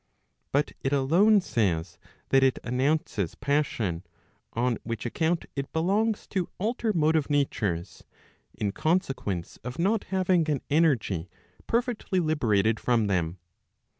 But it alone says that it announces passion, on which account it belongs to alter motive natures, in consequence of not having an energy perfectly liberated from them.